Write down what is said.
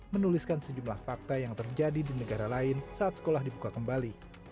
menuliskan sejumlah fakta yang terjadi di negara lain saat sekolah dibuka kembali